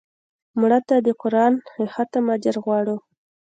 مړه ته د قرآن د ختم اجر غواړو